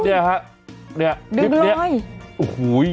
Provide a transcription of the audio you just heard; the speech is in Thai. นึกล่อย